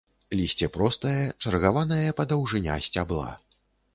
Лісце простае, чаргаванае па даўжыня сцябла.